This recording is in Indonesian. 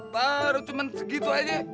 baru cuma segitu aja